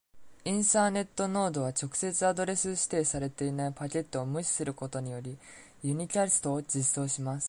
イーサネット・ノードは、直接アドレス指定されていないパケットを無視することにより、ユニキャストを実装します。